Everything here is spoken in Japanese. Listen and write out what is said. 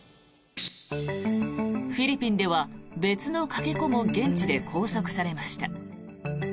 フィリピンでは、別のかけ子も現地で拘束されました。